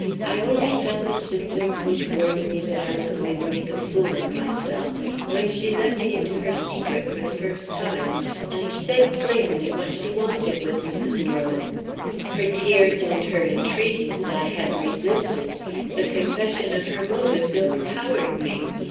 I only felt the symptoms which warned me that I was going to make a fool of myself, when she let me into her secret for the first time, and said plainly what she wanted with Mrs. Norman. Her tears and her entreaties I had resisted. The confession of her motives overpowered me.